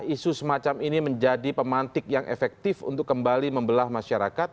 isu semacam ini menjadi pemantik yang efektif untuk kembali membelah masyarakat